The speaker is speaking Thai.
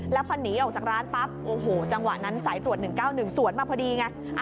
แล้วพอหนีออกจากร้านปั๊บโอ้โหจังหวะนั้นสายตรวจ๑๙๑สวนมาพอดีไง